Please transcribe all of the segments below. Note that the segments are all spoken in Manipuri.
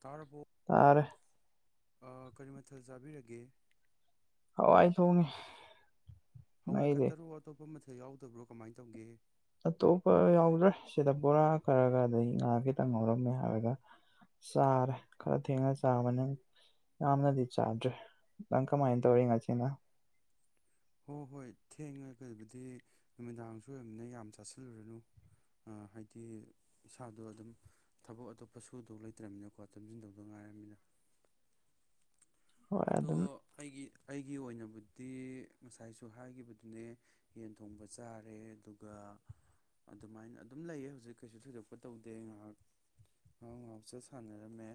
ꯇꯔꯔꯕꯣ ꯇꯥꯔꯦ ꯀꯔꯤ ꯃꯊꯦꯜ ꯆꯥꯕꯤꯔꯒꯦ ꯍꯋꯥꯏ ꯊꯣꯡꯉꯦ ꯍꯋꯥꯏ ꯑꯩꯗꯤ ꯈꯠꯇꯔ ꯑꯣꯏꯣ ꯃ ꯁꯤꯗ ꯌꯥꯎꯗꯕ꯭ꯔꯣ ꯀꯃꯥꯏꯅ ꯇꯧꯒꯦ ꯑꯇꯣꯞꯄ ꯌꯥꯎꯗ꯭ꯔꯦ ꯁꯤꯗ ꯕꯣꯔꯥ ꯈꯔꯒ ꯑꯗꯗꯒꯤ ꯉꯥ ꯈꯤꯇꯪ ꯉꯔꯝꯃꯦ ꯍꯥꯏꯔꯒ ꯆꯥꯔꯦ ꯈꯔ ꯊꯦꯡꯉ ꯆꯥꯕꯅ ꯌꯥꯝꯅꯗꯤ ꯆꯥꯗ꯭ꯔꯦ ꯅ ꯅꯪ ꯀꯃꯥꯏꯅ ꯇꯧꯔꯤ ꯉꯥꯁꯤꯅ ꯍꯣꯏ ꯍꯣꯏ ꯊꯦꯡꯉꯦ ꯀꯕꯨꯗꯤ ꯅꯨꯃꯤꯗꯥꯡꯁꯨ ꯑꯣꯏꯔꯕꯝꯅꯤꯅ ꯌꯥꯝ ꯆꯥꯁꯤꯜꯂꯨꯔꯅꯨ ꯍꯥꯏꯗꯤ ꯏꯁꯥꯗꯣ ꯑꯗꯨꯝ ꯊꯕꯛ ꯑꯇꯣꯞꯄ ꯁꯨꯗꯣ ꯂꯩꯇ꯭ꯔꯕꯃꯤꯅꯀꯣ ꯇꯝꯁꯤꯟꯗꯧꯗꯣ ꯉꯥꯏꯔꯕꯃꯤꯅ ꯍꯣꯏ ꯑꯗꯣ ꯑꯗꯨꯝ ꯑꯩꯒꯤ ꯑꯩꯒꯤ ꯑꯣꯏꯅꯕꯨꯗꯤ ꯉꯁꯥꯏꯁꯨ ꯍꯥꯏꯈꯤꯕꯗꯨꯅꯦ ꯌꯦꯟ ꯊꯣꯡꯕ ꯆꯥꯔꯦ ꯑꯗꯨꯒ ꯑꯗꯨꯃꯥꯏꯅ ꯑꯗꯨꯝ ꯂꯩꯌꯦ ꯍꯧꯖꯤꯛ ꯀꯩꯁꯨ ꯊꯣꯏꯗꯣꯛꯄ ꯇꯧꯗꯦ ꯉꯥꯏꯍꯥꯛ ꯉꯍꯥꯎ ꯉꯥꯎꯆꯦ ꯁꯥꯟꯅꯔꯝꯃꯦ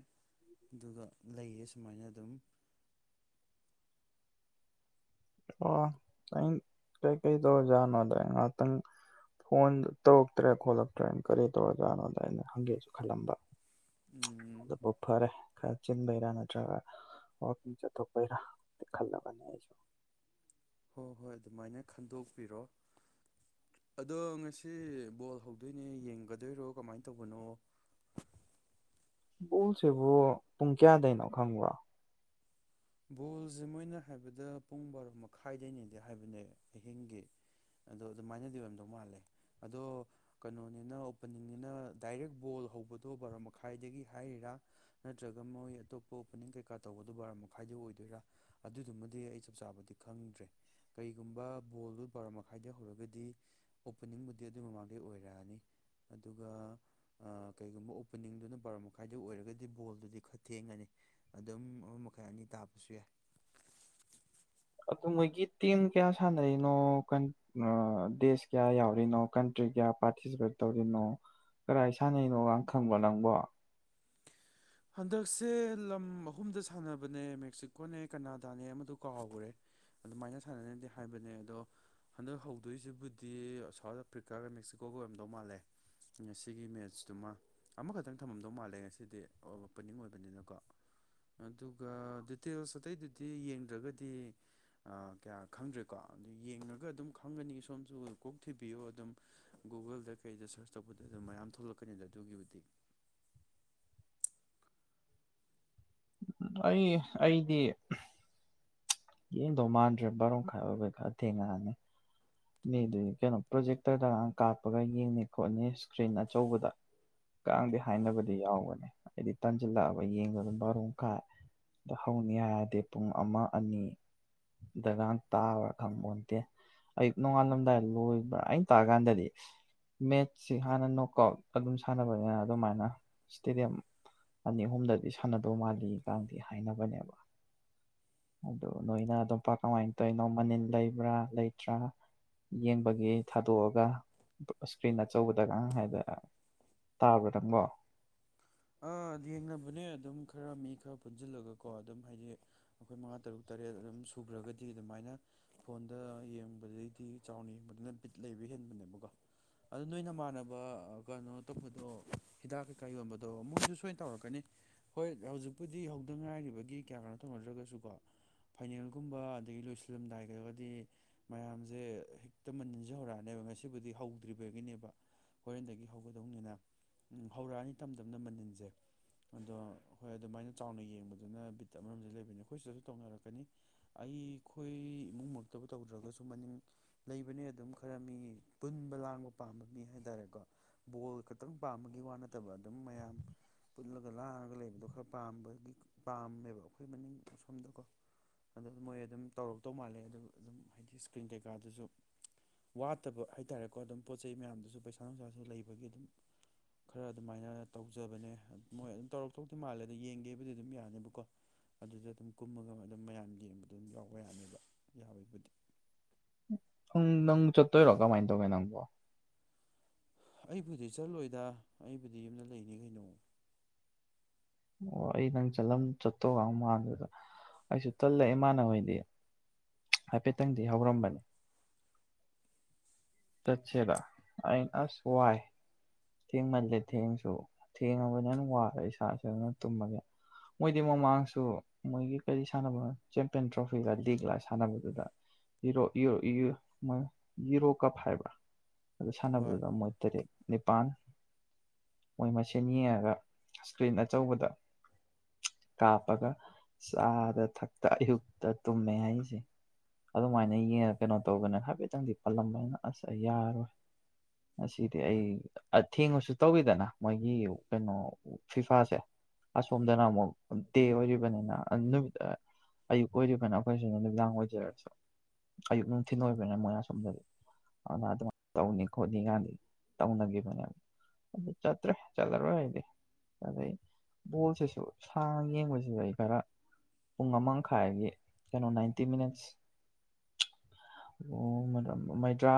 ꯑꯗꯨꯒ ꯂꯩꯌꯦ ꯁꯨꯃꯥꯏꯅ ꯑꯗꯨꯝ ꯑꯣ ꯑ ꯀꯩꯀꯩ ꯇꯧꯔꯖꯥꯠꯅꯣꯗ ꯉꯥꯏꯍꯥꯛꯇꯪ ꯐꯣꯟ ꯇꯧꯔꯛꯇ꯭ꯔꯦ ꯈꯣꯠꯂꯛꯇ꯭ꯔꯦ ꯀꯔꯤ ꯇꯧꯔꯖꯥꯠꯅꯣꯗ ꯑꯩꯅ ꯍꯪꯒꯦꯁꯨ ꯈꯜꯂꯝꯕ ꯎꯝ ꯑꯗꯨꯕꯨ ꯐꯔꯦ ꯈꯔ ꯆꯤꯟꯕꯩꯔꯥ ꯅꯠꯇ꯭ꯔꯒ ꯋꯥꯋꯀꯤꯡ ꯆꯠꯊꯣꯛꯄꯩꯔꯥ ꯈꯜꯂꯒꯅꯤ ꯑꯩꯁꯨ ꯍꯣꯏ ꯍꯣꯏ ꯑꯗꯨꯃꯥꯏꯅ ꯈꯟꯗꯣꯛꯄꯤꯔꯣ ꯑꯗꯣ ꯉꯁꯤ ꯕꯣꯜ ꯍꯧꯗꯣꯏꯅꯦ ꯌꯦꯡꯒꯗꯣꯏꯔꯣ ꯀꯃꯥꯏꯅ ꯇꯧꯕꯅꯣ ꯕꯣꯁꯤꯕꯨ ꯄꯨꯡ ꯀꯌꯥꯗꯩꯅꯣ ꯈꯪꯕ꯭ꯔꯣ ꯕꯣꯜꯁꯦ ꯃꯣꯏꯅ ꯍꯥꯏꯕꯗ ꯄꯨꯡ ꯕꯥꯔꯣ ꯃꯈꯥꯏꯗꯅꯦꯗꯤ ꯍꯥꯏꯕꯅꯦ ꯑꯍꯤꯡꯒꯤ ꯑꯗꯣ ꯑꯗꯨꯃꯥꯏꯅꯗꯤ ꯑꯣꯏꯔꯝꯗꯧ ꯃꯥꯜꯂꯦ ꯑꯗꯣ ꯀꯩꯅꯣꯅꯤꯅ ꯑꯣꯄꯅꯤꯡꯅꯤꯅ ꯗꯥꯏꯔꯦꯛ ꯕꯣꯜ ꯍꯧꯕꯗꯣ ꯕꯥꯔꯣ ꯃꯈꯥꯏꯗꯒꯤ ꯍꯥꯏꯔꯤꯔꯥ ꯅꯠꯇ꯭ꯔꯒ ꯃꯣꯏ ꯑꯇꯣꯞꯄ ꯑꯣꯄꯅꯤꯡ ꯀꯩꯀꯥ ꯇꯧꯕꯗꯣ ꯕꯥꯔꯣ ꯃꯈꯥꯏ ꯑꯣꯏꯗꯣꯏꯔꯥ ꯑꯗꯨꯗꯨꯃꯗꯤ ꯑꯩ ꯆꯞ ꯆꯥꯕꯗꯤ ꯈꯪꯗ꯭ꯔꯦ ꯀꯩꯒꯨꯝꯕ ꯕꯣꯜꯗꯨ ꯄꯕꯔ ꯃꯈꯥꯏꯗꯩ ꯍꯧꯔꯒꯗꯤ ꯑꯣꯄꯅꯤꯡꯕꯨꯗꯤ ꯑꯗꯨꯒꯤ ꯃꯃꯥꯡꯗꯩ ꯑꯣꯏꯔꯛꯑꯅꯤ ꯑꯗꯨꯒ ꯀꯩꯒꯨꯝꯕ ꯑꯣꯄꯅꯤꯡꯗꯨꯅ ꯄꯕꯔ ꯃꯈꯥꯏꯗ ꯑꯣꯏꯔꯒꯗꯤ ꯕꯣꯜꯗꯨꯗꯤ ꯈꯔ ꯊꯦꯡꯉꯅꯤ ꯑꯗꯨꯝ ꯈꯔ ꯑꯅꯤ ꯇꯥꯕꯁꯨ ꯌꯥꯏ ꯑꯗꯨ ꯃꯣꯏꯒꯤ ꯇꯤꯝ ꯀꯌꯥ ꯁꯥꯟꯅꯔꯤꯅꯣ ꯗꯦꯁ ꯀꯌꯥ ꯌꯥꯎꯔꯤꯅꯣ ꯀꯟꯇ꯭ꯔꯤ ꯀꯌꯥ ꯄꯥꯔꯇꯤꯁꯤꯄꯦꯠ ꯇꯧꯔꯤꯅꯣ ꯀꯗꯥꯥꯏ ꯁꯥꯟꯅꯅꯣꯒ ꯈꯪꯕ ꯅꯪꯕꯣ ꯍꯟꯗꯛꯁꯦ ꯂꯝ ꯑꯍꯨꯝꯗ ꯁꯥꯟꯅꯕꯅꯦ ꯃꯦꯛꯁꯤꯀꯣꯅꯦ ꯀꯅꯥꯗꯥꯅꯦ ꯑꯃꯗꯨ ꯀꯥꯎꯍꯈ꯭ꯔꯦ ꯑꯗꯨꯃꯥꯏꯅ ꯁꯥꯟꯅꯅꯗꯤ ꯍꯥꯏꯕꯅꯦ ꯑꯗꯣ ꯍꯟꯗꯛ ꯍꯧꯗꯣꯏꯁꯤꯕꯨꯗꯤ ꯁꯥꯎꯠ ꯑꯐ꯭ꯔꯤꯀꯥꯒ ꯃꯦꯛꯁꯤꯀꯣꯒ ꯑꯣꯏꯔꯝꯗꯧ ꯃꯥꯜꯂꯦ ꯉꯁꯤꯒꯤ ꯃꯦꯠꯁꯇꯨꯃ ꯑꯃꯈꯛꯇꯪ ꯊꯝꯃꯝꯗꯧ ꯃꯥꯜꯂꯦ ꯉꯁꯤꯗꯤ ꯑꯣꯄꯅꯤꯡ ꯑꯣꯏꯕꯅꯤꯅꯀꯣ ꯑꯗꯨꯒ ꯗꯤꯇꯦꯜꯁ ꯑꯇꯩꯗꯨꯗꯤ ꯌꯦꯡꯗ꯭ꯔꯒꯗꯤ ꯀꯌꯥ ꯈꯪꯗ꯭ꯔꯦꯀꯣ ꯑꯗꯨ ꯌꯦꯡꯉꯒ ꯑꯗꯨꯝ ꯈꯪꯒꯅꯤ ꯁꯣꯝꯁꯨ ꯀꯣꯛ ꯊꯤꯕꯤꯌꯨ ꯑꯗꯨꯝ ꯒꯨꯒꯜꯗ ꯀꯩꯗ ꯁꯔꯁ ꯇꯧꯕꯗ ꯑꯗꯨꯝ ꯃꯌꯥꯝ ꯊꯣꯛꯂꯛꯀꯅꯤꯗ ꯑꯗꯨꯒꯤꯕꯨꯗꯤ ꯑꯩ ꯑꯩꯗꯤ ꯌꯦꯡꯗꯧ ꯃꯥꯟꯗ꯭ꯔꯦ ꯕꯥꯔꯣ ꯃꯈꯥꯏ ꯑꯣꯏꯕꯩ ꯈꯔ ꯊꯦꯡꯉꯛꯑꯅꯤ ꯃꯤꯗꯨ ꯀꯩꯅꯣ ꯄ꯭ꯔꯣꯖꯦꯛꯇꯔꯗꯒꯥꯡ ꯀꯥꯞꯄꯒ ꯌꯦꯡꯅꯤ ꯈꯣꯠꯅꯤ ꯏꯁꯀ꯭ꯔꯤꯟ ꯑꯆꯧꯕꯗ ꯀꯗꯦ ꯍꯥꯏꯅꯕꯗꯤ ꯌꯥꯎꯕꯅꯦ ꯑꯩꯗꯤ ꯇꯟꯁꯤꯜꯂꯛꯑꯕ ꯌꯦꯡꯗꯨ ꯑꯗꯨ ꯃꯔꯕꯥꯔꯨꯝ ꯈꯥꯏ ꯑ ꯍꯧꯅꯤ ꯍꯥꯏꯗꯦ ꯄꯨꯡ ꯑꯃ ꯑꯅꯤꯗꯒꯥꯡ ꯇꯥꯕ ꯈꯪꯕꯣꯟꯇꯦ ꯑꯌꯨꯛ ꯅꯣꯡꯉꯥꯜꯂꯝꯗꯥꯏ ꯂꯣꯏꯕ꯭ꯔꯥ ꯑ ꯇꯥꯔꯀꯥꯟꯗꯗꯤ ꯃꯦꯠꯁꯤ ꯍꯥꯟꯅ ꯅꯣꯛ ꯑꯥꯎꯠ ꯑꯗꯨꯝ ꯁꯥꯟꯅꯕꯅꯤꯅ ꯑꯗꯨꯃꯥꯏꯅ ꯏꯁꯇꯦꯗꯤꯌꯝ ꯑꯅꯤ ꯑꯍꯨꯝꯗꯗꯤ ꯁꯥꯟꯅꯗꯧ ꯃꯥꯜꯂꯤꯀꯥꯟꯗꯤ ꯍꯥꯏꯅꯕꯅꯦꯕ ꯑꯗꯨ ꯅꯣꯏꯅ ꯑꯗꯨꯝ ꯀꯃꯥꯏꯅ ꯇꯧꯅꯣ ꯃꯅꯤꯜ ꯂꯩꯕ꯭ꯔꯥ ꯂꯩꯇ꯭ꯔꯥ ꯌꯦꯡꯕꯒꯤ ꯊꯥꯗꯣꯛꯑꯒ ꯏꯁꯀ꯭ꯔꯤꯟ ꯑꯆꯧꯕꯗꯒ ꯍꯥꯏꯗ ꯇꯥꯕ꯭ꯔꯥꯗꯪꯀꯣ ꯌꯦꯡꯅꯕꯅꯦ ꯑꯗꯨꯝ ꯈꯔ ꯃꯤ ꯈꯔ ꯄꯨꯟꯁꯤꯜꯂꯒꯀꯣ ꯑꯗꯨꯝ ꯍꯥꯏꯗꯤ ꯑꯩꯈꯣꯏ ꯃꯉꯥ ꯇꯔꯨꯛ ꯇꯔꯦꯠ ꯑꯗꯨꯝ ꯁꯨꯈ꯭ꯔꯒꯗꯤ ꯑꯗꯨꯃꯥꯏꯅ ꯐꯣꯟꯗ ꯌꯦꯡꯕꯗꯩꯗꯤ ꯆꯥꯎꯅ ꯌꯦꯡꯕꯅꯤꯅ ꯕꯤꯠ ꯂꯩꯕ ꯍꯦꯟꯕꯅꯦꯕꯀꯣ ꯑꯗꯨꯗ ꯅꯣꯏ ꯅꯃꯥꯟꯅꯕ ꯀꯩꯅꯣ ꯇꯧꯕꯗꯣ ꯍꯤꯗꯥꯛ ꯀꯩꯀꯥ ꯌꯣꯟꯕꯗꯣ ꯑꯗꯣ ꯃꯣꯏꯁꯨ ꯁꯣꯏꯅ ꯇꯧꯔꯛꯀꯅꯤ ꯍꯣꯏ ꯍꯧꯖꯤꯛꯄꯨꯗꯤ ꯍꯧꯗ ꯉꯥꯏꯔꯤꯕꯒꯤ ꯀꯌꯥ ꯀꯅꯣ ꯇꯧꯅꯗ꯭ꯔꯒꯁꯨꯀꯣ ꯐꯥꯏꯅꯦꯜꯒꯨꯝꯕ ꯑꯗꯒꯤ ꯂꯣꯏꯁꯤꯜꯂꯝꯗꯥꯏ ꯈꯒꯗꯤ ꯃꯌꯥꯝꯁꯦ ꯍꯦꯛꯇ ꯃꯅꯤꯟꯁꯦ ꯍꯧꯔꯛꯑꯅꯦꯕ ꯉꯁꯤꯕꯨꯗꯤ ꯍꯧꯗ꯭ꯔꯤꯕꯒꯤꯅꯦꯕ ꯍꯣꯔꯦꯟꯗꯒꯤ ꯍꯧꯒꯗꯧꯅꯤꯅ ꯍꯧꯔꯛꯑꯅꯤ ꯃꯇꯝꯝꯗꯝꯅ ꯃꯅꯤꯟꯁꯦ ꯑꯗꯣ ꯍꯣꯏ ꯑꯗꯨꯃꯥꯏꯅ ꯆꯥꯎꯅ ꯌꯦꯡꯕꯗꯨꯅ ꯕꯤꯠꯇ ꯑꯃꯔꯣꯝꯁꯦ ꯂꯩꯕꯅꯤ ꯑꯩꯈꯣꯏ ꯁꯤꯗꯁꯨ ꯇꯧꯅꯔꯛꯀꯅꯤ ꯑꯩꯈꯣꯏ ꯏꯃꯨꯡꯃꯛꯇꯕꯨ ꯇꯧꯗ꯭ꯔꯒꯁꯨ ꯃꯅꯤꯡꯟ ꯂꯩꯕꯅꯦ ꯑꯗꯨꯝ ꯈꯔ ꯃꯤ ꯄꯨꯟꯕ ꯂꯥꯡꯕ ꯄꯥꯝꯕ ꯃꯤ ꯍꯥꯏꯇꯥꯔꯦꯀꯣ ꯕꯣꯜ ꯈꯛꯇꯪ ꯄꯥꯝꯕꯒꯤ ꯋꯥ ꯅꯠꯇꯕ ꯑꯗꯨꯝ ꯃꯌꯥꯝ ꯄꯨꯜꯂꯒ ꯂꯥꯡꯔꯒ ꯂꯩꯕꯗꯣ ꯈꯔ ꯄꯥꯝꯕꯒꯤ ꯄꯥꯝꯃꯦꯕ ꯑꯩꯈꯣꯏ ꯃꯅꯤꯡ ꯑꯁꯣꯝꯗꯀꯣ ꯑꯗ ꯃꯣꯏ ꯑꯗꯨꯝ ꯇꯧꯔꯛꯇꯧ ꯃꯥꯜꯂꯦ ꯑꯗꯨ ꯑꯗꯨꯝ ꯍꯥꯏꯗꯤ ꯏꯁꯀ꯭ꯔꯤꯟ ꯀꯩꯀꯥꯗꯨꯁꯨ ꯋꯥꯠꯇꯕ ꯍꯥꯏꯇꯥꯔꯦꯀꯣ ꯑꯗꯨꯝ ꯄꯣꯠ ꯆꯩꯩ ꯃꯌꯥꯝꯗꯨꯁꯨ ꯄꯩꯁꯥ ꯅꯨꯡꯁꯥꯁꯨ ꯂꯩꯕꯒꯤ ꯑꯗꯨꯝ ꯈꯔ ꯑꯗꯨꯝ ꯑꯗꯨꯃꯥꯏꯅ ꯇꯧꯖꯕꯅꯦ ꯃꯣꯏ ꯑꯗꯨꯝ ꯇꯧꯔ ꯊꯣꯛꯇ ꯃꯥꯜꯂꯦ ꯑꯗ ꯌꯦꯡꯒꯦꯕꯨꯗꯤ ꯑꯗꯨꯝ ꯌꯥꯅꯦꯕꯀꯣ ꯑꯗꯨꯗ ꯑꯗꯨꯝ ꯀꯨꯝꯃꯒ ꯑꯗꯨꯝ ꯃꯌꯥꯝ ꯌꯦꯡꯕꯗ ꯑꯗꯨꯝ ꯌꯥꯎꯕ ꯌꯥꯅꯦꯕ ꯌꯥꯎꯋꯦꯕꯨꯗꯤ ꯎꯪ ꯅꯪ ꯆꯠꯇꯣꯏꯔꯣ ꯀꯃꯥꯏꯅ ꯇꯧꯒꯦ ꯅꯪꯕꯣ ꯑꯩꯕꯨꯗꯤ ꯆꯠꯂꯣꯏꯗ ꯑꯩꯕꯨꯗꯤ ꯌꯨꯝꯅ ꯂꯩꯅꯤ ꯀꯩꯅꯣ ꯑꯣ ꯑꯩ ꯅꯪ ꯆꯂꯝ ꯆꯠꯇꯧꯒ ꯃꯥꯟꯗꯨꯗ ꯑꯩꯁꯨ ꯇꯜꯂꯦ ꯏꯃꯥꯟꯅꯈꯣꯏꯗꯤ ꯍꯥꯏꯐꯦꯠꯇꯪꯗꯤ ꯍꯧꯔꯝꯕꯅꯤ ꯆꯠꯁꯤꯦꯔ ꯑ ꯑꯁ ꯋꯥꯏ ꯊꯦꯡꯃꯜꯂꯦ ꯊꯦꯡꯁꯨ ꯊꯦꯡꯉꯒꯅꯦꯅ ꯋꯥꯔꯦ ꯏꯁꯥ ꯏꯁꯅ ꯇꯨꯝꯃꯒꯦ ꯃꯣꯏꯗꯤ ꯃꯃꯥꯡꯁꯨ ꯃꯣꯏꯒꯤ ꯀꯔꯤ ꯁꯥꯟꯅꯕꯅ ꯆꯦꯝꯄꯤꯌꯟ ꯇ꯭ꯔꯣꯐꯤꯒ ꯂꯤꯒꯂ ꯁꯥꯟꯅꯕꯗꯨꯗ ꯌꯔꯣ ꯀꯞ ꯍꯥꯏꯕ꯭ꯔꯥ ꯑꯗꯨ ꯍꯣꯏ ꯁꯥꯟꯅꯕꯗꯨꯗ ꯃꯣꯏ ꯇꯔꯦ ꯄꯥꯟ ꯃꯣꯏ ꯃꯁꯦꯟ ꯌꯦꯡꯉꯒ ꯏꯁꯀ꯭ꯔꯤꯟ ꯑꯆꯧꯕꯗ ꯀꯥꯞꯄꯒ ꯆꯥꯗ ꯊꯛꯇ ꯑꯌꯨꯛꯇ ꯇꯨꯝꯃꯦ ꯍꯥꯏꯔꯤꯁꯦ ꯑꯗꯨꯃꯥꯏꯅ ꯌꯦꯡꯉ ꯀꯩꯅꯣ ꯇꯧꯗꯅ ꯍꯥꯏꯐꯦꯠꯇꯪꯗꯤ ꯄꯜꯂꯝꯕꯅ ꯑꯁ ꯌꯥꯔꯣꯏ ꯉꯗꯤ ꯑꯩ ꯊꯦꯡꯉꯁꯨ ꯇꯧꯋꯤꯗꯅ ꯃꯣꯏꯒꯤ ꯀꯩꯅꯣ ꯐꯤꯐꯥꯁꯦ ꯑꯁꯣꯝꯗꯅ ꯑꯃꯨꯛ ꯗꯦ ꯑꯣꯏꯔꯤꯕꯅꯤꯅ ꯅꯨꯃꯤ ꯑꯌꯨꯛ ꯑꯣꯏꯔꯤꯕꯅꯤ ꯑꯩꯈꯣꯏꯁꯨ ꯅꯨꯃꯤꯗꯥꯡ ꯑꯣꯏꯖꯔꯁꯨ ꯑꯌꯨꯛ ꯅꯨꯡꯊꯤꯤꯟ ꯑꯣꯏꯕꯅꯤꯅ ꯃꯣꯏ ꯑꯁꯣꯝꯗꯗꯤ ꯑꯗꯨꯅ ꯑꯗꯨꯃꯥꯏꯅ ꯇꯧꯅꯤ ꯈꯣꯠꯅꯤ ꯀꯥꯟꯗꯤ ꯇꯧꯅꯒꯤ ꯑꯗꯨ ꯆꯠꯇ꯭ꯔꯦ ꯆꯠꯂꯔꯣꯏꯔꯗꯤ ꯑꯗꯩ ꯕꯣꯜꯁꯤꯁꯨ ꯁꯥꯡꯅ ꯌꯦꯡꯕꯁꯤꯗ ꯑꯩ ꯈꯔ ꯄꯨꯡ ꯑꯃꯈꯥꯏꯒꯤ ꯀꯩꯅꯣ ꯅꯥꯏꯟꯇꯤ ꯃꯤꯅꯠꯁ ꯃꯩꯗ꯭ꯔꯥ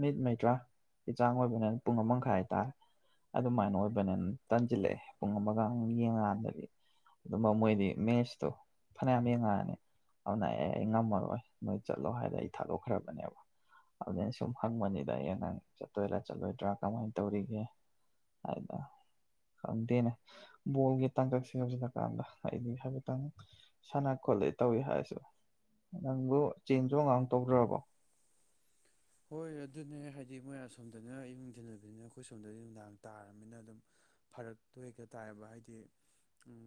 ꯃꯤꯠ ꯃꯩꯗ꯭ꯔꯥꯒꯤ ꯆꯥꯡ ꯑꯣꯏꯕꯅꯤꯅ ꯄꯨꯡ ꯑꯃ ꯍꯥꯏꯇꯥꯔꯦ ꯑꯗꯨꯃꯥꯏꯅ ꯑꯣꯏꯕꯅꯤꯅ ꯇꯟꯁꯤꯜꯂꯛꯑꯦ ꯄꯨꯡ ꯑꯃꯒ ꯌꯦꯡꯉꯀꯥꯟꯗꯗꯤ ꯑꯗꯨꯝꯕ ꯃꯣꯏꯗꯤ ꯃꯦꯠꯁꯇꯣ ꯐꯅꯌꯥꯝ ꯌꯦꯡꯉꯛꯑꯅꯤ ꯑꯗꯨꯅ ꯑꯦ ꯑꯩ ꯉꯝꯃꯔꯣꯏ ꯅꯣꯏ ꯆꯠꯂꯣ ꯍꯥꯏꯗ ꯑꯩ ꯊꯥꯗꯣꯛꯈ꯭ꯔꯕꯅꯦꯕ ꯑꯗꯨ ꯁꯨꯝ ꯍꯪꯕꯅꯤꯗ ꯑꯩ ꯅꯪ ꯆꯠꯇꯣꯏꯔꯥ ꯆꯠꯂꯣꯏꯗ꯭ꯔꯥ ꯀꯃꯥꯏꯅ ꯇꯧꯔꯤꯒꯦ ꯍꯥꯏꯅ ꯈꯪꯗꯦꯅꯦ ꯕꯣꯜꯒꯤ ꯇꯥꯡꯀꯛꯁꯦ ꯌꯧꯁꯤꯜꯂꯛꯀꯥꯟꯗ ꯑꯩꯗꯤ ꯍꯥꯏꯐꯦꯠꯇꯪ ꯁꯥꯟꯅ ꯈꯣꯠꯂ‌ꯦ ꯇꯧꯑꯩ ꯍꯥꯏꯔꯁꯨ ꯅꯪꯕꯨ ꯆꯦꯟ ꯆꯣꯡ ꯒꯥꯡ ꯃꫭꯛ ꯇꯧꯗ꯭ꯔꯕꯣ꯫ ꯍꯣꯏ ꯑꯗꯨꯅꯦ ꯍꯥꯏꯗꯤ ꯃꯣꯏ ꯑꯁꯣꯝꯗꯅ ꯑꯌꯨꯛ ꯅꯨꯡ ꯊꯤꯜ ꯑꯣꯏꯕꯅꯤꯅ ꯑꯈꯣꯏ ꯁꯣꯝꯗꯗꯤ ꯅꯨꯡꯗꯥꯡ ꯇꯥꯔꯝꯅꯤꯅ ꯑꯗꯨꯝ ꯐꯔꯛꯇꯣ ꯍꯦꯛꯇ ꯇꯥꯏꯌꯦꯕ ꯍꯥꯏꯗꯤ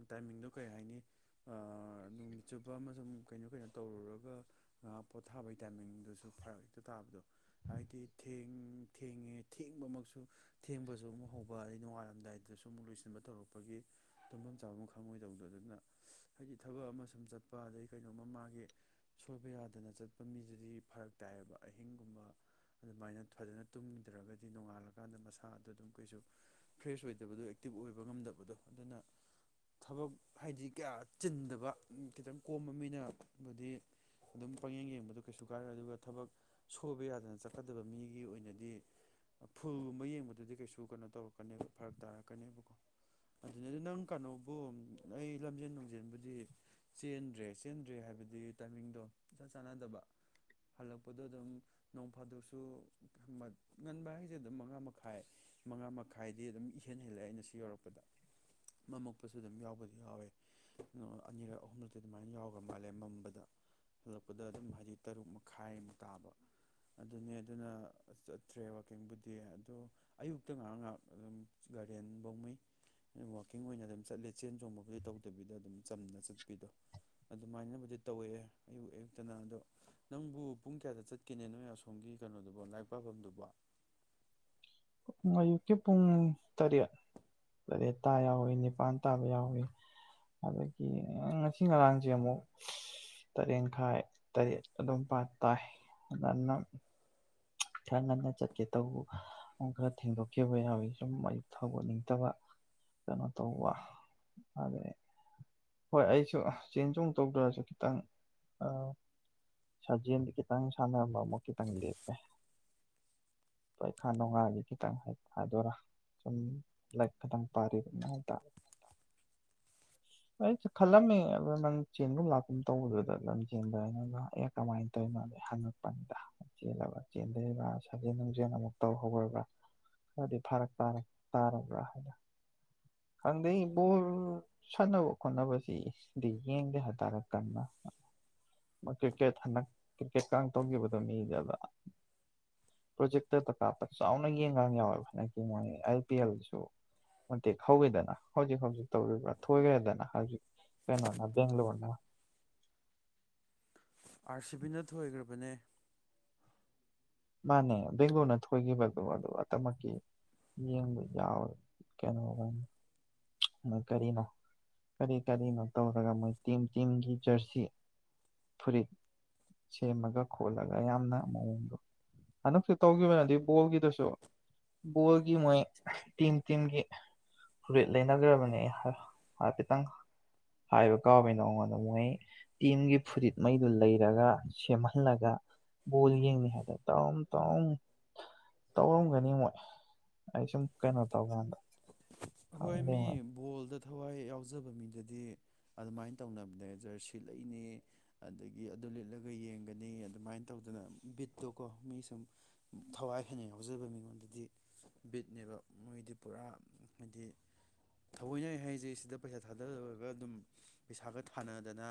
ꯇꯥꯏꯃꯤꯡꯗꯣ ꯀꯩ ꯍꯥꯏꯅꯤ ꯅꯨꯃꯤꯠ ꯆꯨꯞꯕ ꯑꯃꯁꯨꯡ ꯀꯩꯅꯣ ꯀꯩꯅꯣ ꯇꯧꯔꯨꯔꯒ ꯉꯥꯏꯍꯥꯛ ꯄꯣꯊꯥꯕꯩ ꯇꯥꯏꯃꯤꯡꯗꯨꯁꯨ ꯐꯔꯛ ꯍꯦꯛꯇ ꯇꯥꯕꯗꯣ꯫ ꯍꯥꯏꯗꯤ ꯊꯦꯡ ꯊꯦꯡꯉꯦ ꯊꯦꯡꯕꯃꯛꯁꯨ ꯊꯦꯡꯕꯁꯨ ꯑꯃꯨꯛ ꯍꯧꯕ ꯑꯗꯩ ꯅꯣꯡꯉꯥꯏꯜꯂꯝꯝꯗꯥꯏꯗꯁꯨ ꯑꯃꯨꯛ ꯂꯣꯏꯁꯤꯟꯕ ꯇꯧꯔꯛꯄꯒꯤ ꯇꯨꯝꯐꯝ ꯆꯥꯐꯝ ꯈꯪꯉꯣꯏꯗꯧꯕꯗꯣ ꯑꯗꯨꯅ ꯍꯥꯏꯗꯤ ꯊꯕꯛ ꯑꯃ ꯁꯨꯝ ꯆꯠꯄ ꯑꯗꯩ ꯀꯩꯅꯣꯝꯃ ꯃꯥꯒꯤ ꯁꯣꯏꯕ ꯌꯥꯗꯅ ꯆꯠꯄ ꯃꯤꯁꯤꯗꯤ ꯐꯔꯛ ꯇꯥꯏꯑꯦꯕ ꯑꯍꯤꯡ꯫ ꯨꯕ ꯑꯗꯨꯃꯥꯏꯅ ꯐꯖꯅ ꯇꯨꯝꯗ꯭ꯔꯒꯗꯤ ꯅꯣꯡꯉꯥꯜꯂꯀꯥꯟꯗ ꯃꯁꯥꯗꯣ ꯑꯗꯨꯝ ꯀꯩꯁꯨ ꯐ꯭ꯔꯦꯁ ꯑꯣꯏꯗꯕꯗꯣ ꯑꯦꯛꯇꯤꯚ ꯑꯣꯏꯕ ꯉꯝꯗꯕꯗꯣ ꯑꯗꯨꯅ ꯊꯕꯛ ꯍꯥꯏꯗꯤ ꯀꯌꯥ ꯆꯤꯟꯗꯕ ꯈꯤꯇꯪ ꯀꯣꯝꯕ ꯃꯤꯅꯕꯨꯗꯤ ꯑꯗꯨꯝ ꯄꯪꯌꯦꯡ ꯌꯦꯡꯕꯗꯣ ꯀꯩꯁꯨ ꯀꯥꯏꯔꯣꯏ ꯑꯗꯨꯒ ꯊꯕꯛ꯫ ꯁꯣꯏꯕ ꯌꯥꯗꯅ ꯆꯠꯀꯗꯕ ꯃꯤꯒꯤ ꯑꯣꯏꯅꯗꯤ ꯐꯨꯜꯒꯨꯝꯕ ꯌꯦꯡꯕꯗꯨꯗꯤ ꯀꯩꯁꯨ ꯀꯩꯅꯣ ꯇꯧꯔꯛꯀꯅꯦꯕ ꯐꯔꯛ ꯇꯥꯔꯛꯀꯅꯦꯕꯀꯣ ꯑꯗꯨꯅꯗꯤ ꯅꯪ ꯀꯩꯅꯣꯕꯨ ꯑꯩ ꯂꯝꯖꯦꯟ ꯅꯨꯡꯖꯦꯟꯕꯨꯗꯤ ꯆꯦꯟꯗ꯭ꯔꯦ ꯆꯦꯟꯗ꯭ꯔꯦ ꯍꯥꯏꯕꯗꯤ ꯇꯥꯏꯃꯤꯡꯗꯣ ꯏꯆꯥꯟ ꯆꯥꯟꯅꯗꯕ ꯍꯜꯂꯛꯄꯗꯣ ꯑꯗꯨꯝ꯫ ꯅꯣꯡ ꯐꯥꯗꯣꯛꯁꯨ ꯉꯟꯕ ꯍꯥꯏꯁꯦ ꯑꯗꯨꯝ ꯃꯉꯥ ꯃꯈꯥꯏ ꯃꯉꯥ ꯃꯈꯥꯏꯗꯤ ꯑꯗꯨꯝ ꯏꯍꯦꯟ ꯍꯦꯜꯂꯛꯑꯦ ꯑꯩꯅ ꯁꯤ ꯌꯧꯔꯛꯄꯗ ꯃꯝꯃꯛꯄꯁꯨ ꯑꯗꯨꯝ ꯌꯥꯎꯕꯗꯤ ꯌꯥꯎꯋꯦ ꯑꯅꯤꯔꯛ ꯑꯍꯨꯝꯂꯛꯇꯤ ꯑꯗꯨꯃꯥꯏꯅ ꯌꯥꯎꯈ꯭ꯔ ꯃꯥꯜꯂꯦ ꯃꯝꯕꯗ ꯍꯜꯂꯛꯄꯗ ꯑꯗꯨꯝ ꯍꯥꯏꯗꯤ ꯇꯔꯨꯛ ꯃꯈꯥꯏꯃꯨꯛ ꯇꯥꯕ꯫ ꯑꯗꯨꯅꯦ ꯑꯗꯨꯅ ꯆꯠꯇ꯭ꯔꯦ ꯋꯥꯛꯀꯤꯡꯕꯨꯗꯤ ꯑꯗꯣ ꯑꯌꯨꯛꯇ ꯉꯥꯏꯍꯥꯛ ꯉꯥꯏꯍꯥꯛ ꯑꯗꯨꯝ ꯒꯥꯔꯗꯦꯟꯐꯧꯃꯩ ꯋꯥꯛꯀꯤꯡ ꯑꯣꯏꯅ ꯑꯗꯨꯝ ꯆꯠꯂꯦ ꯆꯦꯟ ꯆꯣꯡꯕꯕꯨꯗꯤ ꯇꯧꯗꯕꯤꯗ ꯑꯗꯨꯝ꯫ ꯆꯝꯅ ꯆꯠꯄꯤꯗꯣ꯫ ꯑꯗꯨꯃꯥꯏꯅꯕꯨꯗꯤ ꯇꯧꯋꯦ ꯑꯌꯨꯛ ꯑꯌꯨꯛꯇꯅ ꯑꯗꯣ ꯅꯪꯕꯨ ꯄꯨꯡ ꯀꯌꯥꯗ ꯆꯠ꯫ ꯀꯦꯅꯦ ꯅ ꯑꯁꯣꯝꯒꯤ ꯀꯩꯅꯣꯗꯨꯕ ꯂꯥꯏꯔꯤꯛ ꯄꯥꯕꯝꯗꯨꯕꫭ꯫ ꯑꯌꯨꯛꯀꯤ ꯄꯨꯡ ꯇꯔꯦꯠ ꯇꯔꯦꯠ ꯇꯥ ꯌꯥꯎꯏꯤ ꯅꯤꯄꯥꯥꯟ ꯇꯥꯕ ꯌꯥꯎꯏꯤ ꯑꯗꯒꯤ ꯉꯁꯤ ꯉꯔꯥꯡꯁꯦ ꯑꯃꯨꯛ ꯇꯔꯦꯠꯈꯥꯏ ꯇꯔꯦꯠ ꯑꯗꯨꯄ ꯇꯥꯏ ꯉꯟꯅ꯫ ꯈꯔ ꯉꯟꯅ ꯆꯠꯀꯦ ꯇꯧꯕꯨ ꯈꯔ ꯊꯦꯡꯗꯣꯛꯈꯤꯕ ꯌꯥꯎꯋꯤ ꯁꯨꯝ ꯃꯌꯛ ꯊꯒꯠꯅꯤꯡꯇꯕ ꯀꯩꯅꯣ ꯇꯧꯕ ꯑꯗꯩ꯫ ꯍꯣꯏ ꯑꯩꯁꯨ ꯆꯦꯟ ꯆꯣꯡ ꯇꯧꯗ꯭ꯔꯁꯨ ꯈꯤꯇꯪ ꯁꯥꯖꯦꯜꯗ ꯈꯤꯇꯪ ꯁꯥꯟꯅꯕ ꯑꯃꯨꯛ ꯈꯤꯇꯪ ꯂꯦꯞꯄꯦ ꯄꯩꯈꯥ ꯅꯨꯡꯉꯥꯒꯤ ꯈꯤꯇꯪ ꯍꯥꯏꯗꯣꯏꯔꯥ ꯁꯨꯝ ꯂꯥꯏꯔꯤꯛ ꯈꯤꯇꯪ ꯄꯥꯔꯤꯕ ꯍꯥꯏ ꯇꯔ꯫ ꯑꯩꯁꯨ ꯈꯜꯂꯝꯃꯦ ꯑꯗꯨꯗ ꯅꯪ ꯆꯦꯟꯒꯨꯝ ꯂꯥꯛꯀꯨꯝ ꯇꯧꯕꯗꯨꯗ ꯂꯝ ꯆꯦꯟꯗꯅꯗ ꯑꯦ ꯀꯃꯥꯏꯅ ꯇꯧꯔꯤꯅꯣꯗ ꯍꯪꯉꯛꯄꯅꯤꯗ ꯆꯦꯜꯂꯒ ꯆꯦꯟꯗꯔꯤꯕ꯭ꯔꯥ ꯁꯥꯖꯦꯟ ꯅꯨꯡꯖꯦꯜ ꯑꯃꯨꯛ ꯇꯧꯍꯧꯔꯕ꯭ꯔꯥ ꯈꯔꯗꯤ ꯐꯔꯛ ꯇꯥꯔꯕ꯭ꯔꯥ ꯍꯥꯏꯅ ꯈꯪꯗꯦ ꯕꯣꯜ ꯁꯅꯕ꯫ ꯍꯣꯠꯅꯕꯁꯤꯗꯤ ꯌꯦꯡꯗꯦ ꯍꯥꯏꯇꯥꯔꯦ ꯀꯟꯅ ꯀ꯭ꯔꯤꯛꯀꯦꯠ ꯍꯟꯗꯛ ꯀ꯭ꯔꯤꯛꯀꯦꯠꯀ ꯇꯧꯈꯤꯕꯗꯣ ꯃꯤꯗꯗ ꯄ꯭ꯔꯣꯖꯦꯛꯇꯗ ꯀꯥꯞꯄ ꯆꯥꯎꯅ ꯌꯦꯡꯒ ꯌꯥꯎꯋꯦꯕ ꯍꯟꯗꯛꯀꯤ ꯃꯣꯏ ꯑꯥꯏ ꯄꯤ ꯑꯦꯜꯁꯨ ꯀꯣꯟꯇꯦꯛ ꯍꯧꯈꯤꯦꯗꯅ ꯍꯧꯖꯤꯛ ꯍꯧꯖꯤꯛ ꯇꯧꯔꯤꯕ꯭ꯔꯥ ꯊꯣꯏꯈ꯭ꯔꯦꯗꯅ꯫ ꯍꯧꯖꯤꯛ ꯀꯩꯅꯣꯅ ꯕꯦꯡꯒ꯭ꯂꯣꯔꯅ ꯑꯥꯔ ꯁꯤ ꯕꯤꯅ ꯊꯣꯏꯒ꯭ꯔꯕꯅꯦ꯫ ꯃꯥꯅꯦ ꯕꯦꯡꯒꯂꯣꯔꯅ ꯊꯣꯏꯈꯤꯕꯗꯣ ꯑꯗꯨ ꯑꯃꯛꯀꯤ ꯌꯦꯡꯕ ꯌꯥꯎꯋꯦ ꯀꯩꯅꯣ ꯃꯣꯏ ꯀꯔꯤꯅꯣ ꯀꯔꯤ ꯀꯔꯤꯅꯣ ꯇꯧꯔꯒ ꯃꯣꯏ ꯇꯤꯝ ꯇꯤꯝꯒꯤ ꯖꯔꯁꯤ ꯐꯨꯔꯤꯠ ꯁꯦꯝꯃꯒ ꯈꯣꯠꯂꯒ ꯌꯥꯝꯅ ꯃꯑꯣꯡꯗꯣ꯫ ꯍꯟꯗꯛꯇꯁꯨ ꯇꯧꯈꯤꯕꯅ ꯑꯗꯨ ꯕꯣꯜꯒꯤꯗꯨꯁꯨ ꯕꯣꯜꯒꯤ ꯃꯣꯏ ꯇꯤꯝ ꯇꯤꯝꯒꯤ ꯐꯨꯔꯤꯠ ꯂꯩꯅꯈ꯭ꯔꯕꯅꯦ ꯑꯩ ꯍꯥꯏꯐꯦꯠꯇꯪ ꯍꯥꯏꯕ ꯀꯥꯎꯕꯅ ꯑꯩꯉꯣꯟꯗ ꯃꯣꯏ ꯇꯤꯝꯒꯤ ꯐꯨꯔꯤꯠꯉꯩꯗꯨ ꯂꯩꯔꯒ ꯁꯦꯝꯍꯜꯂꯒ ꯕꯣꯜ ꯌꯦꯡꯅꯤ ꯍꯥꯏꯗ꯫ ꯇꯧꯔꯝ ꯇꯧꯔꯝ ꯇꯧꯔꯝꯒꯅꯤ ꯃꯣꯏ ꯑꯩ ꯁꯨꯝ ꯀꯩꯅꯣ ꯇꯧꯒꯥꯟꯗ꯫ ꯍꯣꯏ ꯃꯤ ꯕꯣꯜꯗ꯫ ꯊꯋꯥꯏ ꯌꯥꯎꯖꯕ ꯃꯤꯗꯗꯤ ꯑꯗꯨꯃꯥꯏꯅ ꯇꯧꯅꯕꯅꯦ ꯖꯔꯁꯤ ꯂꯩꯅꯤ ꯑꯗꯒꯤ ꯑꯗꯨ ꯂꯤꯠꯂꯒ ꯌꯦꯡꯒꯅꯤ ꯑꯗꯨꯃꯥꯏꯅ ꯇꯧꯗꯅ ꯕꯤꯠꯇꯣꯀꯣ ꯃꯤ ꯁꯨꯝ ꯊꯋꯥꯏ ꯍꯦꯟꯅ ꯌꯥꯎꯖꯕ ꯃꯤꯉꯣꯟꯗꯗꯤ ꯕꯤꯠꯅꯦꯕ ꯃꯣꯏꯗꯤ ꯄꯨꯔꯥ꯫ ꯍꯥꯏꯗꯤ ꯊꯑꯣꯏꯅ ꯍꯥꯏꯁꯦ ꯁꯤꯗ ꯄꯩꯁꯥ ꯊꯥꯗꯒ ꯑꯗꯨꯝ ꯄꯩꯁꯥꯒ ꯊꯥꯅꯗꯅ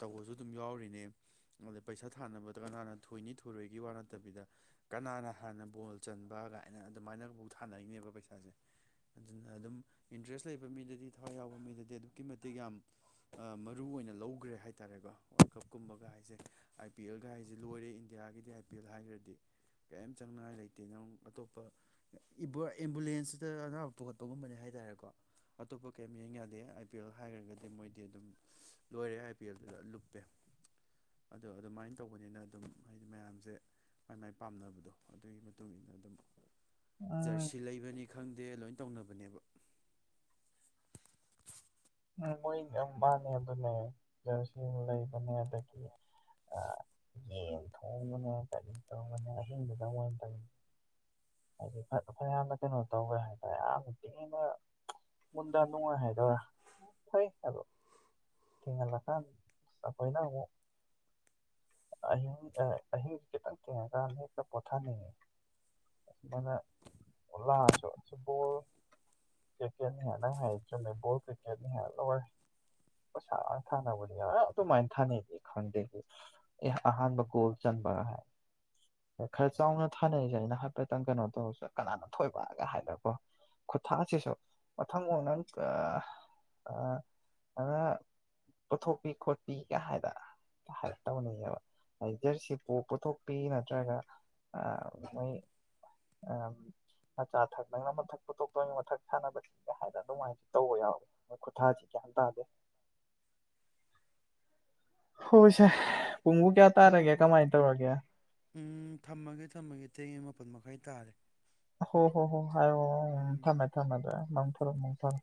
ꯇꯧꯕꯁꯨ ꯑꯗꯨꯝ ꯌꯥꯎꯔꯤꯅꯦ ꯑꯗ ꯄꯩꯁꯥ ꯊꯥꯅꯕꯗ ꯀꯅꯥꯅ ꯊꯣꯏꯅꯤ ꯊꯣꯏꯨꯔꯣꯏꯒꯤ ꯋꯥ ꯅꯠꯇꯕꯤꯗ ꯀꯅꯥꯅ ꯍꯥꯟꯅ ꯕꯣꯜ ꯆꯟꯕ ꯀꯥꯏꯅ ꯑꯗꯨꯃꯥꯏꯅꯐꯧ ꯊꯥꯅꯔꯤꯅꯦꯕ ꯄꯩꯁꯥꯁꯦ꯫ ꯑꯗꯨꯅ ꯑꯗꯨꯝ ꯏꯟꯇꯔꯦꯁ ꯂꯩꯕ ꯃꯤꯗꯗꯤ ꯊꯋꯥꯏ ꯌꯥꯎꯕ ꯃꯤꯗꯗꯤ ꯑꯗꯨꯛꯀꯤ ꯃꯇꯤꯛ ꯌꯥꯝ ꯃꯔꯨ ꯑꯣꯏꯅ ꯂꯧꯈ꯭ꯔꯦ ꯍꯥꯏꯇꯥꯥꯔꯦꯀꯣ ꯋꯥꯔꯜ ꯀꯞꯀꯨꯝꯕꯒ ꯍꯥꯏꯁꯦ ꯑꯥꯏ ꯄꯤ ꯑꯦꯜꯒ ꯍꯥꯏꯁꯦ ꯂꯣꯏꯔꯦ ꯏꯟꯗꯤꯌꯥꯒꯤꯗꯤ ꯑꯥꯏ ꯄꯤ ꯑꯦꯜ ꯍꯥꯏꯈ꯭ꯔꯗꯤ ꯀꯔꯤꯝ ꯆꯪꯅꯤꯡꯉꯥꯏ ꯂꯩꯇꯦ ꯅꯪ ꯑꯇꯣꯞꯄ ꯑꯦꯝꯕꯨꯂꯦꯟꯁ꯫ ꯁꯤꯗ ꯑꯅꯥꯕ ꯄꯨꯈꯠꯄꯒꯨꯝꯕꯅꯦ ꯍꯥꯏꯇꯥꯔꯦꯀꯣ ꯑꯇꯣꯞꯄ ꯀꯩꯝ ꯌꯦꯡ ꯌꯥꯗꯦ ꯑꯥꯏ ꯄꯤ ꯑꯦꯜ ꯍꯥꯏꯈ꯭ꯔꯒꯗꯤ ꯃꯣꯏꯗꯤ ꯑꯗꯨꯝ ꯂꯣꯏꯔꯦ ꯑꯥꯏ ꯄꯤ ꯑꯦꯜꯗꯨꯗ ꯂꯨꯞꯄꯦ ꯑꯗꯣ ꯑꯗꯨꯃꯥꯏꯅ ꯇꯧꯕꯅꯤꯅ ꯑꯗꯨꯝ ꯍꯥꯏꯗꯤ ꯃꯌꯥꯝꯁꯦ ꯃꯥꯏ ꯃꯥꯏ ꯄꯥꯝꯅꯕꯗꯣ ꯑꯗꯨꯒꯤ ꯃꯇꯨꯡ ꯏꯟꯅ ꯑꯗꯨꯝ꯫ ꯎꯝ ꯖꯔꯁꯤ ꯂꯩꯕꯅꯤ꯫ ꯈꯪꯗꯦ ꯂꯣꯏ ꯇꯧꯅꯕꯅꯦꯕ꯫ ꯎꯝ ꯃꯣꯏꯗꯤ ꯌꯥꯝ ꯋꯥꯥꯟꯅ ꯑꯗꯨꯅꯦ ꯖꯔꯁꯤ ꯂꯩꯕꯅꯦ ꯑꯗꯒꯤ ꯌꯦꯟ ꯊꯣꯡꯕꯅꯦ ꯀꯔꯤ ꯇꯧꯕꯅꯦ ꯑꯍꯤꯡꯕꯗꯪ ꯑꯣꯏꯅ ꯇꯧ ꯍꯥꯏꯗꯤ ꯐꯌꯥꯝꯅ ꯀꯩꯅꯣ ꯇꯧꯋꯦ ꯍꯥꯏꯇꯥꯔꯦ ꯌꯥꯝ ꯌꯥꯝꯅ ꯊꯤꯅ ꯃꯨꯟꯗ ꯅꯨꯡꯉꯥꯏ ꯍꯥꯏꯗꯣꯔ꯫ ꯐꯩ ꯑꯗꯣ ꯊꯦꯡꯍꯜꯂꯀꯥꯟꯗ ꯑꯈꯣꯏꯅ ꯑꯃꯨꯛ ꯑꯍꯤꯡ ꯑꯍꯤꯡꯁꯤ ꯈꯤꯇꯪ ꯊꯦꯡꯉꯀꯥꯟꯗ ꯍꯦꯛꯇ ꯄꯣꯊꯥꯅꯤꯡꯉꯤ ꯑꯃꯥꯏꯅ ꯂꯥꯛꯑꯁꯨ ꯕꯣꯜ ꯀ꯭ꯔꯤꯛꯀꯦꯠꯅꯤ ꯍꯗꯪ ꯍꯥꯏ ꯆꯨꯝꯃꯦ ꯕꯣꯜ꯫ ꯒ‌ꯦꯠꯅꯤ ꯍꯥꯏ ꯂꫭꯏꯔ‌ꯦ ꯄꯩꯁꯥ ꯊꯥꯅꯕꯅꯤ ꯑꯗꯨꯃꯥꯏꯅ ꯊꯥꯅꯩꯅꯤ ꯈꯪꯗꯦ ꯑꯩ ꯑꯍꯥꯟꯕ ꯒꯣꯜ ꯆꯟꯕꯒ ꯍꯥꯏ ꯈꯔ ꯆꯥꯎꯅ ꯊꯥꯅꯔꯤꯁꯦ ꯑꯩꯅ ꯍꯥꯏꯐꯦꯠꯇꯪ ꯀꯩꯅꯣ ꯇꯧꯔ ꯀꯅꯥꯅ ꯊꯣꯏꯕꯒ ꯍꯥꯏꯅꯀꯣ ꯈꯨꯠꯊꯁꯤꯁꯨ ꯃꯊꯪ ꯅꯪ ꯀ꯫ ꯑꯅ ꯄꯨꯊꯣꯛꯄꯤ ꯈꯣꯠꯄꯤꯒ ꯍꯥꯏꯗ ꯍꯥꯏ ꯇꯧꯅꯤꯡꯉꯦꯕ ꯍꯥꯏ ꯖꯔꯁꯤ ꯄꯣ ꯄꯨꯊꯣꯛꯄꯤ ꯅꯠꯇ꯭ꯔꯒ ꯃꯣꯏ ꯃꯆꯥꯊꯛ ꯅꯪꯅ ꯃꯊꯛ ꯄꯨꯊꯣꯛꯇꯣꯅꯤ ꯃꯊꯛ ꯁꯥꯟꯅꯕꯁꯤꯡꯒ ꯍꯥꯏꯗ ꯑꯗꯨꯃꯥꯏꯅꯁꯨ ꯇꯧꯕ ꯌꯥꯎꯏ꯫ ꯃꫭꯏ ꯈꯨꯊꯁꯤ ꯒ꯭ꯌꯥꯟ ꯇꯥꯗ‌ꯦ꯫ ꯍꯣꯏ ꯁꯦ꯫ ꯍꯣ ꯍꯣꯏ ꯎꯝ ꯊꯝꯃꯒꯦ ꯊꯝꯃꯒꯦ ꯊ‌ꯦꯡꯉ‌ꯦ ꯃꯞ꯫ ꯃꯥꯄꯟ ꯃꯈꯥꯏ ꯇꯥꯔꯦ꯫ ꯍꯣ ꯍꯣ ꯍꯣ ꯍꯥꯏ ꯎꯝ ꯊꯝꯃꯦ ꯊꯝꯃꯦ꯫ [unintelligible] ꯊꯃ‌ꯦ꯫